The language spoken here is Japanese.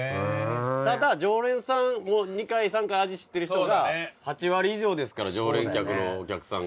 ただ常連さんもう２回３回味知ってる人が８割以上ですから常連客のお客さん。